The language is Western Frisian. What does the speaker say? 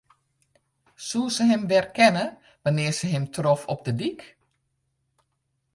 Soe se him werkenne wannear't se him trof op de dyk?